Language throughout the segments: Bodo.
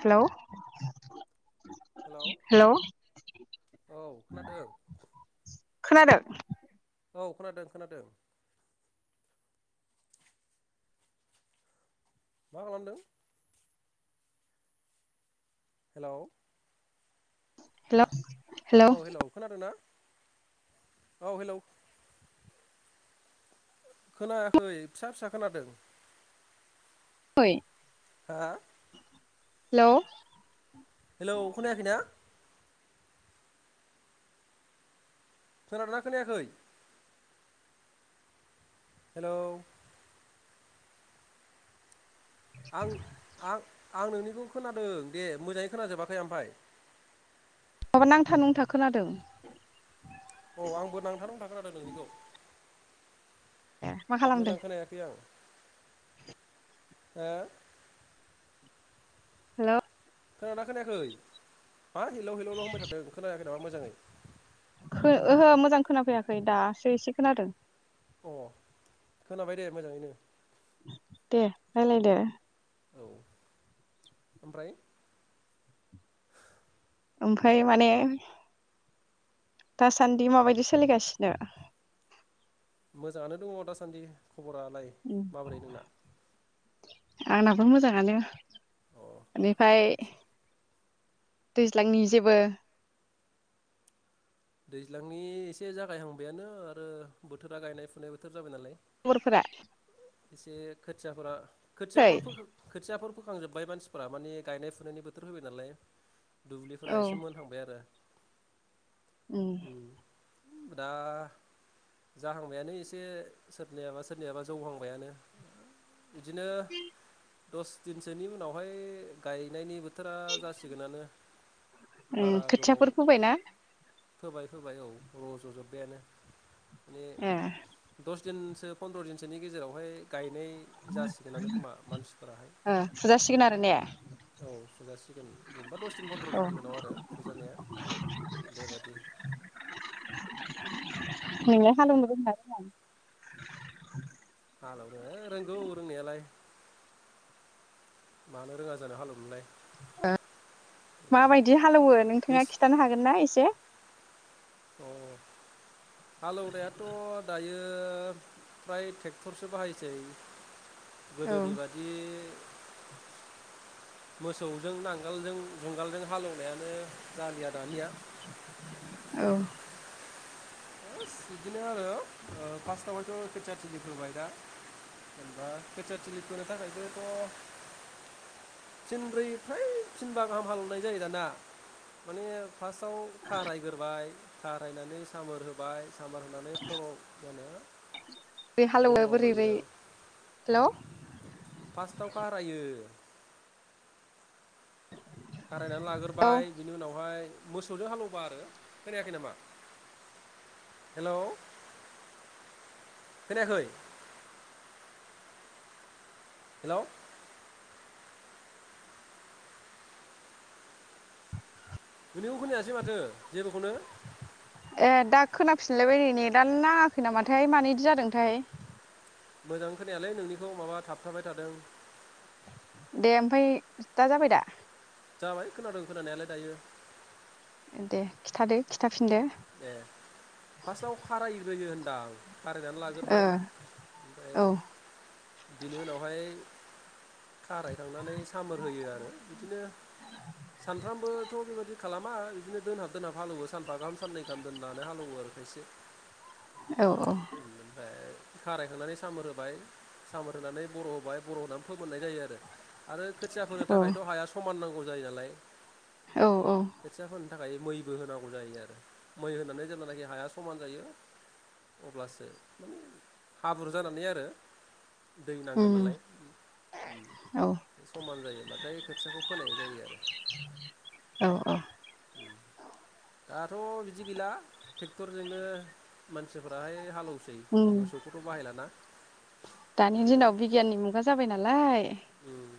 हेल। हेल‌ औ खोनादों। खोनादों। औ खोनादों खोनादों। मा खालामदों। हेल। हेल। औ हेल खोनादों ना। औ हेल। खोनायाखै फिसा फिसा खोनादों। [unintelligible] हा। हेल'। हेलौ खोनायाखै ना खोनादोंना खोनायाखै? हेल'। आं आं आं नोंनिखौ खोनादों दे मोजाङै खोनाजोबाखै ओमफफ्राय। माबा नांथा नंथा खोनादों। औ आंबो नांथा नुंथा खोनादों नोंनिखौ। ए मा खालामदों मोजां खोनायाखै आं। ए। हेल'। खोनादोंना खोनायाखै मा हेलौ हेलौल होनबाय थादों खोनायाखै नामा मोजाङै? खो ओहो मोजां खोनाफैयाखै दासो एसे खोनादों। अ खोनाबाय दे मोजाङैनो। दे राय्लायदो। औ ओमफ्राय? ओमफाय माने दासान्दि माबायदि सोलिगासिनो? मोजांआनो दंङ दा सान्दि। खबरालाय माबोरै नोंना? आंनाबो मोजाङानो। अ एनिफाय दैज्लांनि जेबो दैज्लांनि एसे जागायहांबायानो आरो बोथोरा गायनाय फुनाय बोथोर जाबाय नालाय। मरफोरा एसे खोथियाफोरा फै खोथियाफोर फोखो खोथियाफोर फोखां जोब्बाय मानसिफोरा माने गायनाय फुनायनि बोथोर फैबाय नालाय। दुब्लिफोरा औ एसे मोनहांबाय आरो उम दा जाहांबायानो एसे सोरनियाबा सोरनियाबा जौहां बायानो इदिनो दस दिनसोनि उनावहाय गायनायनि बो थोरा जासिगोनानो उम बारा गोबाव खोथियाफोर फोबायना फोबाय फोबाय औ रज'जोब्बायानो। ए जोनसो पन्द्र दिनसोनि गेजेरावहाय गाइ नै जासिगोनानो खोमा मानसिफोराहाय ओ [unintelligible] आरो ने औ फुजासिगोन जों बा दस दिन फन्द्र' औ दिननि उनाव आरो फुजानाया बेबादि नोङो हालौवनो रोंना रोङा हालौनो रोंगौ रोंनायालाय मानो रोङा जानो हालौनोलाय ओक माबायदि हालौवो नोंस नोंथाङा खिथानो हागोनना इसे? अ हालेवनायात' दायो फ्राय ट्रेक्ट'रसो बाहायसै औ गोदोनि बादि मोसौजों नांगालजों जुंगालजों हालौनायानो जालिया दानिया औ [unintelligible] बिदिनो आरो ओ फास्थावहायथ' खोथिया थुलि फोबाय दा जेनबा खोथिया थिलि फोनो थाखायबोथ' फिनब्रै फ्राय फिनबा गाहाम हालौनाय जायो दाना माने फास्टआव खारायग्रोबाय थारायनानै सामोर होब बाय सामार होनानै फल' मानो [unintelligible] बोरै रै हेल' फास्टाव खारायो खारायनानै औ लाग्रोबाय बिनि उनावहाय मोसौजों हालौबा आरो खोनायाखै नामा हेलौ खोनायाखै हेलौ नोंनिखौ खोनायासै माथो जेबोखौनो। ए दा खोनाफिनलायबाय नै नेदानो नाङाखै नामाथाय? मानो इदि जादोंथाय? मोजां खोनायालै नोंनिखौ माबा थाबथाबाय थादों। दे ओमफाय दा जाबाय दा। जाबाय खोनादों खोनानायालाय दायो। दे खिथादो खिथाफिनदो। ए फास्टआव खारायग्रोयो होनदां। खारायनानै ओ लाग्रोबाय, ओमफ्राय औ बेनि उनावहाय खाराय खांनानै सामोर होयो आरो बिदिनो सानफ्रामबोथ' बेबायदि खालामा, बिदिनो दोनहाब दोनहाब हालौवो सानफा गाहाम साननै दाम दोननानै हालौवो आरो, खायसे। औ औ। ओमफ्राय खारायखांनानै सामोर होबाय, सामोर होनानै बर' होबाय बर' होनानै फोमोननाय जायो आरो। आरो खोथिया फोनो औ थाखायथ' हाया समान नांगौ। जायो नालाय। औ औ खोथिया फोन थाखाय मैबो होनांगौ जायो आरो। मै होनानै जेब्लानाखि हाया समान जायो अब्लासो माने हाब्रु जानानै आरो दै नांगोन उम नालाय? उम औ समान जायोब्लाथाय खोथियाखौ फोनाय जायो आरो। औ औ दाथ' बिदि गैला ट्रेक्टरजोंनो मानसिफोराहाय हालोव सै उम मोसौखौथ' बाहायलाना? दानि बिदिनो दिनाव बिगियाननि मुगा जाबाय नालाय उम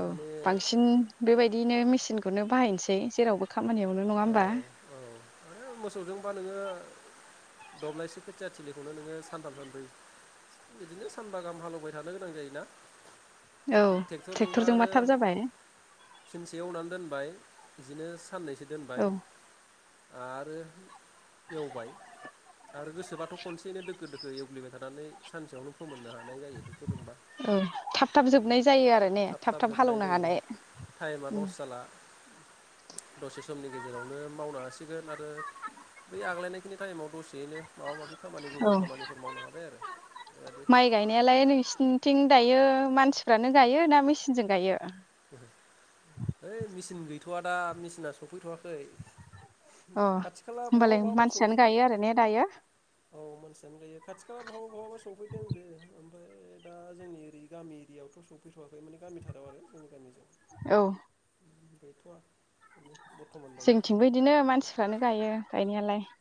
औ, बांसिन बेबाय बिदिनो मेसिनखौनो बाहायनोसै जेरावबो खामानियावनो नङा औ होमबा? औ आरो मोसौजोंबा नोङो दब्लायसे खोथिया थिलिखौनो नोङो सानथाम, सानब्रै, बिदिनो सानबा गाहाम हालेवबाय थानो गोनां जायोना? औ ट्रेक्टरजोंबा आरो थाब जाबाय फिनसे एवनानै दोनबाय बिदिनो साननैसो दोनबाय औ आरो एवबाय, आरो गोसोबाथ' खनसेनो दोखो दोखो एवग्लिबाय थानानै सानसेयावनो फोमोननो हा नाय जायो ट्रेक्टरजोंबा। औ थाब थाब उम जोबनाय जायो आरो ने थाब थाब जोबनाय हालौनो जायो हानाय टाइमा उम लस जाला दसे समनि गे जेरावनो मावनो हा सिगोन आरो बै आग्लायनायखिनि टाइमाव द सेयैनो माबा माबि खामानि औ गुबुन खामानिफोर मावनो हाबाय आरो बेबायदि। थिं दायो मानसिफ्रानो गायो ना मेसिनजों गायो? ओइ मि सिन गैथ'वा दा मेचिना सफैथ'वाखै। अ खाथि खाला बहाबा होमबालाय बहाबा मानसियानो सफैदों गायो आरो ने दायो औ मानसियानो गायो खाथि खाला बहाबा बहाबा सफैदों जे ओम ओ दा जोंनि ओरै गामि एरियावथ' सफैथ'वाखै माने गामिथाराव आरो जोंनि गामिजो औ गैथ'वा नो जोंनिथिंबो इदिनो मानसिफ्रानो गायो। गायनायालाय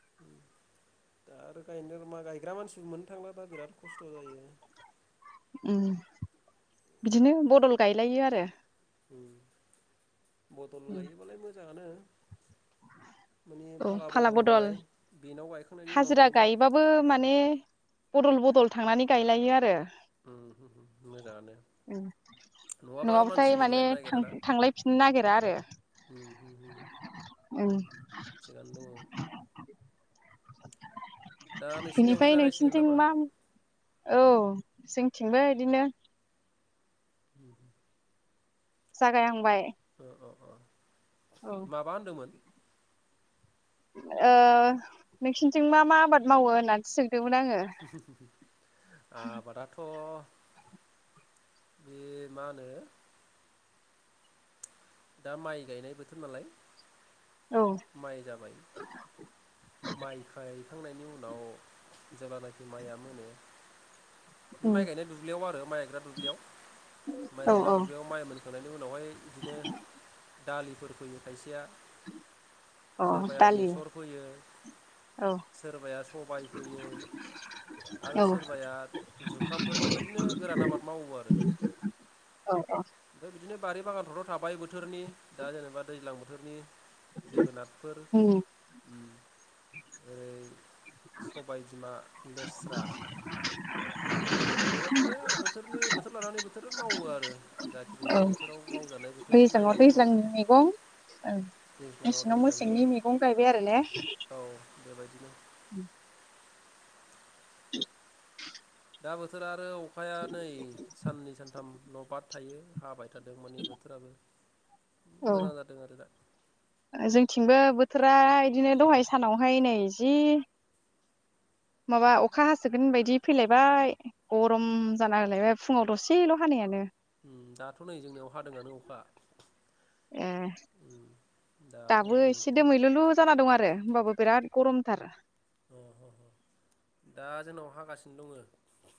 दा आरो गायनो मा गायग्रा मानसिबो मोननो थांला दा बिराद खस्थ' जायो। उम बिदिनो बदल गायलायो आरो उम बदल गायोबालाय मोज जांआनो माने फाला बदल नालाय बेनाव गायख हाजिरा गायोबाबो माने हे बदल बदल थांनानै गायलायो आरो उम होम होम मोजाङानो नङाबा आरो नङाबाथाय मानसि माने मोनलायनो नागिराना थांलायफिननो नागिरा आरो उम होम होम उम थिगानो दङ। दा [inaudible] नोंसिनियावबो बिनिफ्राय जागायसिगोन नोंसिनिथिं नामा माम औ जोंथिंबो इदिनो उम जागायहांबाय अ अ अ औ माबा होनदोमोन ओ नोंसिनिथिं मा मा आबाद मावो होननानैसो सों आबादाथ' बे मा होनो दा माइ गायनाय बोथोर नालाय औ माइ जाबाय माइखाय थांनायनि उनाव जेब्लानाखि माया मोनो बे उम माइ गायनाय दुब्लियाव आरो माइ गायग्रा दुब्लियाव माइ औ गायग्रा दुब्लियाव माइ मोनखांनायनि उनावहाय बिदिनो दालिफोर फोयो खायसेया औ सोरबाया दालि बेसर फोयो औ सोरबाया सबाइ फोयो आरो औ सोरबाया जुखामफोर बेबायदिनो गोरान आबाद मावो आरो औ ओमफाय बिदिनो बारि बागानफ्र थाबाय बो थोरनि दा जेनेबा दैज्लां बोथोरनि जोगोनारफोर उम ओरै सबाय बिमा लेस्रा भिन्दिफोर बेबायदिनो बोथोरनि बोथोर लानानै बोथोर मावो आरो जाखिनि बोथोराव मावजानाय बोथोर [unintelligible] नायनानै मावो दैज्लांनि मैगं दैज्लाङाव मेसेङाव दैज्लांनि मेसेंनि मैगं गायबाय आरो ने औ बेबायदिनो उम्म [inaudible] दा बोथोरा आरो फाया नै साननै सानथाम न' बाद थायो हाबाय थादों माने बोथोराबो मोजां जादों आरो दा औ जोंथिंबो बो थोरा इदिनो दहाय सानावहाय नै जि माबा अखा हासोगोन बायदि फैलायबाय गरम जाना होलायबाय फुंङाव दसेल' हानायानो। उम दाथ' नै जोंनियाव हादोंङानो अखा ए उम दाथ' दाबो नै एसे दोमैलुलु जाना दं आरो होमबाबो बिराद गरमथार अह ह दा जोंनाव हागासिनो दङो।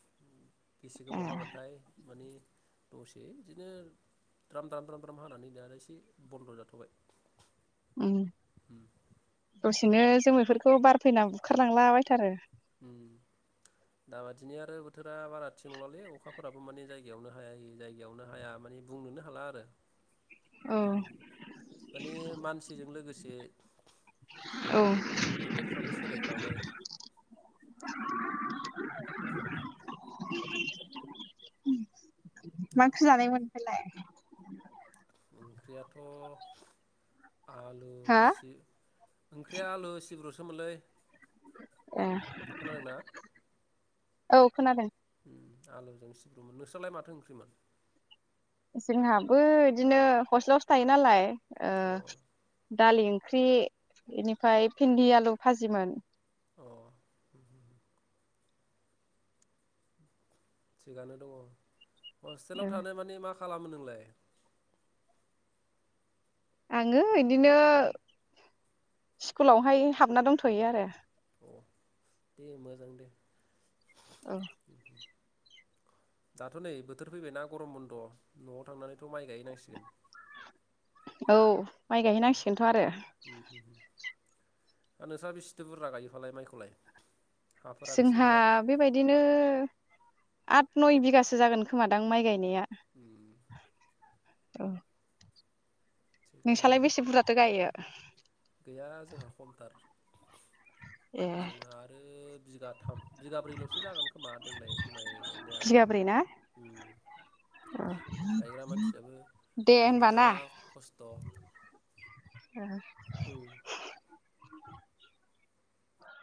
बेसे ए गोबाव हागोनथाय माने दसे बिदिनो द्राम द्राम द्राम द्राम हानानै दा आरो एसे बन्द' जाथ'बाय। उम्म उम दसेनो जोमैफोरखौ बार फैना बुखार लांलाबायथारो ओ दा बादिनिया आरो बोथोरा बारा थिग नंलालै अखाफोराबो माने जायगायावनो हायो जायगायावनो हाया माने बुंनोनो हाला आरो। औ माने मानसिजों लोगोसे औ। बोथोरफ्राबो सोलायफाबाय। [unintelligible] [unintelligible] मा ओंख्रि जानायमोन नोंस्रालाय? ओंख्रियाथ' आलु हा सि ओंख्रिया आलु सिब्रु खोमालै ए। औ खोनादों। उम आलुजों सिब्रुमोन नोंस्रालाय माथो ओंख्रिमोन? जोंहाबो बिदिनो हस्टेलावसो थायो नालाय ओ अ दालि ओंख्रि बेनिफ्राय भिन्दि आलु भाजिमोन। अ। थिगानो दङ। हस्टेलाव थानाय माने मा खालामो नोंलाय? आङो बिदिनो स्कुलावहाय हाबना दंथ'यो आरो अ दे मोजां दे औ दाथ' नै बोथोर फैबायना गरम बन्द' न'आव थांनानैथ' माइ गायहैनांसिगोन औ माइ उम गायहैनांसिगोनथ' आरो उम उम आरो नोंस्रा बेसेथो बुरजा गायो फालाय माइखौलाय हाफोरा बेसे जोंहा गुवार बेबायदिनो आट नय बिगासो जागोन खोमादां माइ गायनाया ओम औ थिगानो नोंसालाय बेसे बुरजाथो गायो [unintelligible] गैया जोंहा खमथार ए जोंहा आरो बिगाथाम बिगाब्रैल'सो जागोन खोमा देग्लाय माइ गायनाया बिगाब्रै ना ओ गायग्रा मानसियाबो दे मोननो होनबा ना थाङा खस्थ' ओ उम